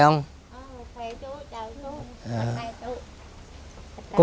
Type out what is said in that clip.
không khỏe chú chào chú